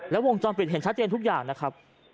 และวงจรปิดเห็นชัดเจนทุกอย่างนะครับ